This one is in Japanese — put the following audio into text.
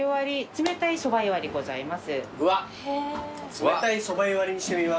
冷たい蕎麦湯割りにしてみます。